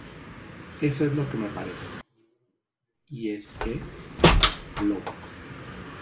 eso es lo que me parece. y es que, al lobo